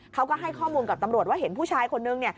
เขาก็ให้ข้อมูลกับตำรวจว่าเห็นผู้ชายคนนึง